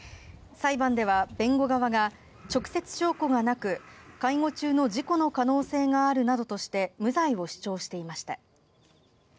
裁判では弁護側が直接証拠がなく介護中の事故の可能性があるなどとして無罪を主張していました。